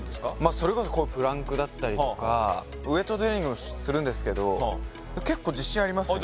それこそプランクだったりとかウエイトトレーニングもするんですけど結構自信ありますね